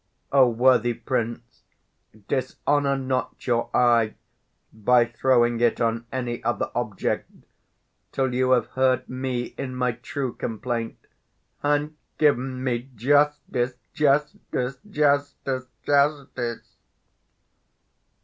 O worthy prince, dishonour not your eye By throwing it on any other object Till you have heard me in my true complaint, And given me justice, justice, justice, justice!